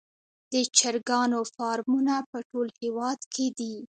د چرګانو فارمونه په ټول هیواد کې دي